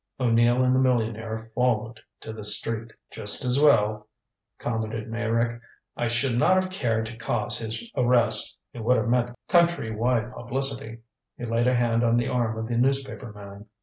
O'Neill and the millionaire followed to the street. "Just as well," commented Meyrick. "I should not have cared to cause his arrest it would have meant country wide publicity." He laid a hand on the arm of the newspaper man.